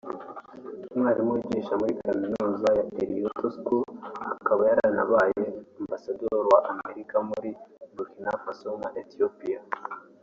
umwarimu wigisha muri kaminuza ya Elliott School akaba yaranabaye ambasaderi wa Amerika muri Burkina Faso na Ethiopia